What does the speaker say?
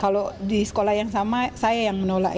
kalau di sekolah yang sama saya yang menolak